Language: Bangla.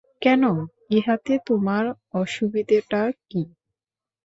কেন, ইহাতে তোমার অসুবিধাটা কী?